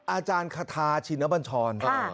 อาจารย์คาทาชินบัญชร